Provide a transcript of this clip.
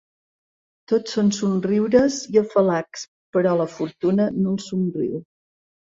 Tot són somriures i afalacs, però la fortuna no els somriu.